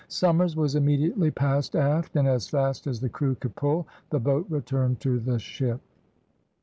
Somers was immediately passed aft, and, as fast as the crew could pull, the boat returned to the ship.